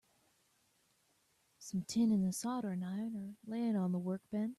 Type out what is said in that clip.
Some tin and a soldering iron are laying on the workbench.